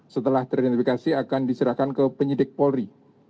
setelah teridentifikasi akan diserahkan ke penyidik polri